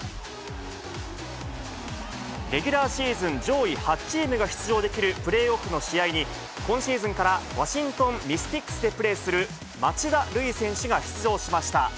レギュラーシーズン上位８チームが出場できるプレーオフの試合に、今シーズンから、ワシントン・ミスティックスでプレーする町田瑠唯選手が出場しました。